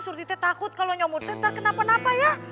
surti teh takut kalau nyomute ntar kenapa napa ya